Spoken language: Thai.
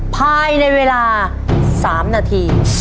ภายในเวลา๓นาที